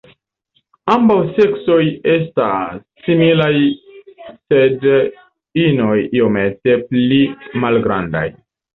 Ambaŭ seksoj esta similaj sed inoj iomete pli malgrandaj.